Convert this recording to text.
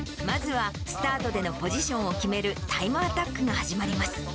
まずはスタートでのポジションを決めるタイムアタックが始まります。